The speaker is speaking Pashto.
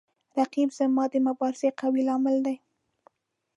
رقیب زما د مبارزې قوي لامل دی